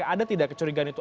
ada tidak kecurigaan itu